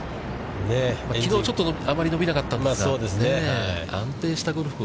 きのうちょっとあまり伸びなかったんですが。